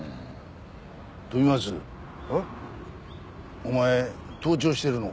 お前盗聴してるのか？